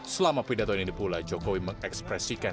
selama pidato ini pula jokowi mengekspresikan